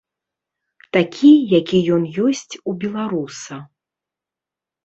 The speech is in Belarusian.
Такі, які ён ёсць у беларуса.